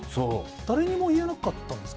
誰にも言わなかったんですか？